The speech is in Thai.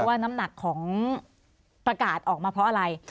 ว่าน้ำหนักของประกาศออกมาเพราะอะไร